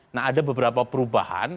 nah ada beberapa perubahan